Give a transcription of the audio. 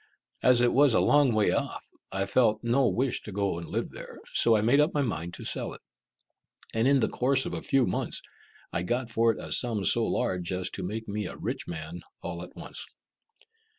As it was a long way off, I felt no wish to go and live there so I made up my mind to sell it, and in the course of a few months, I got for it a sum so large as to make me a rich man all at once.